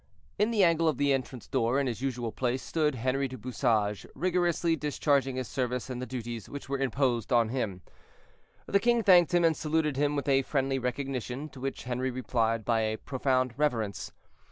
In the angle of the entrance door, in his usual place, stood Henry du Bouchage, rigorously discharging his service and the duties which were imposed on him. The king thanked him, and saluted him with a friendly recognition, to which Henri replied by a profound reverence.